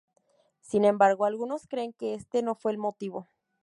Sin embargo, algunos creen que este no fue el motivo.